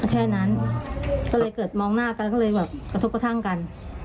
แค่นั้นก็เลยเกิดมองหน้ากันก็เลยแบบกระทบกระทั่งกัน